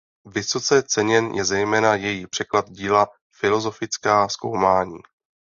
Vysoce ceněn je zejména její překlad díla "Filosofická zkoumání".